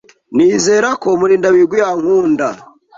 Nizera ko Murindabigwi ankunda.